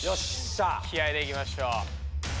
気合いでいきましょう。